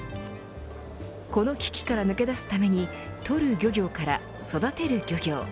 この危機から抜け出すためにとる漁業から、育てる漁業。